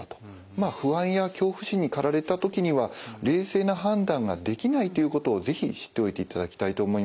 不安や恐怖心にかられた時には冷静な判断ができないということを是非知っておいていただきたいと思います。